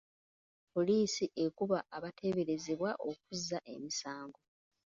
Poliisi ekuba abateeberezebwa okuzza emisango.